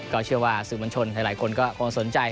เชื่อว่าสื่อมวลชนหลายคนก็คงสนใจ